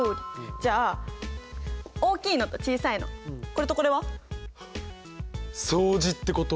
じゃあ大きいのと小さいのこれとこれは？はっ！相似ってこと？